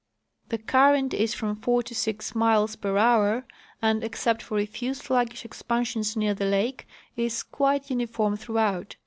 The current is from four to six miles per hour and, except for a few sluggish expansions near the lake, is quite uniform through out.